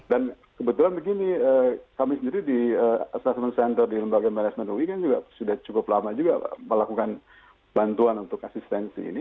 dan kebetulan begini kami sendiri di assessment center di lembaga management ui kan sudah cukup lama juga melakukan bantuan untuk asistensi ini